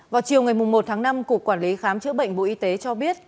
vào chiều ngày một tháng năm cục quản lý khám chữa bệnh bộ y tế cho biết